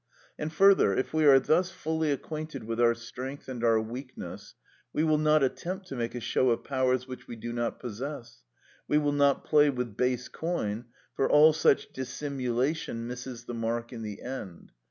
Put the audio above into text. And, further, if we are thus fully acquainted with our strength and our weakness, we will not attempt to make a show of powers which we do not possess; we will not play with base coin, for all such dissimulation misses the mark in the end.